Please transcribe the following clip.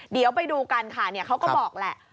เดี๋ยวไปดูกันค่ะเขาก็บอกแหละ